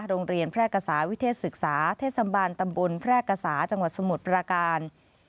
โรงเรียนแพร่กษาวิเทศศึกษาเทศบาลตำบลแพร่กษาจังหวัดสมุทรปราการ